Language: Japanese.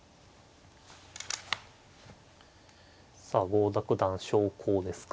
さあ郷田九段小考ですか。